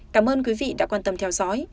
cảm ơn quý vị đã quan tâm theo dõi